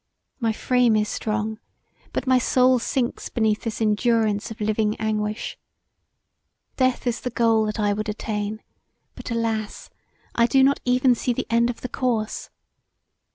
My frame is strong, but my soul sinks beneath this endurance of living anguish. Death is the goal that I would attain, but, alas! I do not even see the end of the course.